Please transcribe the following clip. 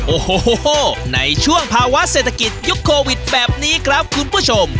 โอ้โหในช่วงภาวะเศรษฐกิจยุคโควิดแบบนี้ครับคุณผู้ชม